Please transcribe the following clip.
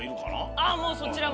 あもうそちらも。